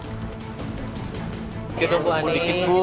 sedikit dong bu ani